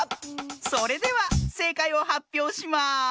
それではせいかいをはっぴょうします。